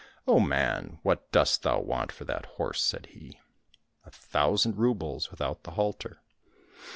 " O man ! what dost thou want for that horse ?" said he. —" A thousand roubles without the halter."